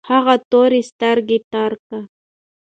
هغه تورې سترګې ترکه